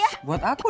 kau siapa lu